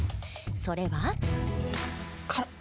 それは。